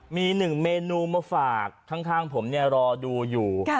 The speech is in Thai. มีหนึ่งเมนูมาฝากข้างผมรอดูอยู่